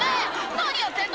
「何やってんの！